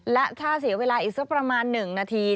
และถ้าเสียเวลาอีกสักประมาณ๑นาที